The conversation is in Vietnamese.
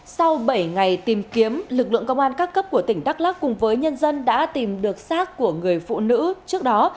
sau bảy ngày tìm kiếm lực lượng công an các cấp của tỉnh đắk lắc cùng với nhân dân đã tìm được sát của người phụ nữ trước đó